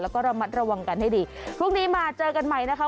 แล้วก็ระมัดระวังกันให้ดีพรุ่งนี้มาเจอกันใหม่นะคะ